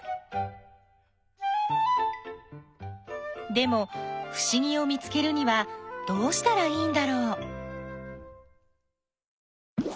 でもふしぎを見つけるにはどうしたらいいんだろう？